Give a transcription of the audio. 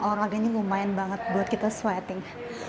olahraganya lumayan banget buat kita swetting